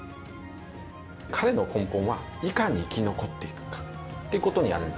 彼の根本はいかに生き残っていくかってことにあるんだと思いますね。